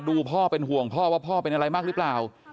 พ่อเป็นห่วงพ่อว่าพ่อเป็นอะไรมากหรือเปล่า